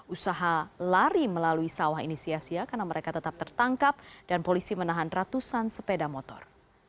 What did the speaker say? usaha lari melalui sawah ini sia sia karena mereka tetap tertangkap dan polisi menahan ratusan sepeda motor